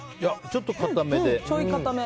ちょっと固めで。